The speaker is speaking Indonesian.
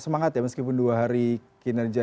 semangat ya meskipun dua hari kinerja